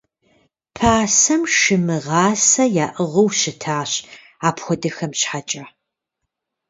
Пасэм шы мыгъасэ яӏыгъыу щытащ апхуэдэхэм щхьэкӏэ.